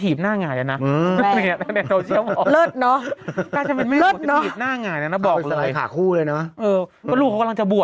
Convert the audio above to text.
ที่จังก่อนเกือบหัวแหยิงก็แบบหมดแล้ว